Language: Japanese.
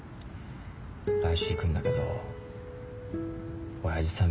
来週行くんだけど親父さん